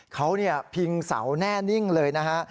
เขาพิงเสาแน่นิ่งเลยนะฮะ